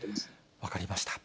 分かりました。